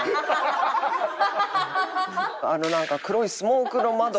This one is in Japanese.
あのなんか黒いスモークの窓